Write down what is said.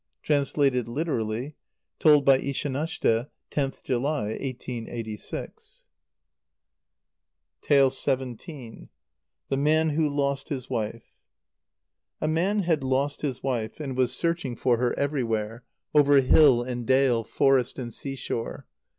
(Translated literally. Told by Ishanashte, 10th July, 1886.) xvii. The Man who lost his Wife. A man had lost his wife, and was searching for her everywhere, over hill and dale, forest and sea shore.